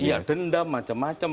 iya dendam macam macam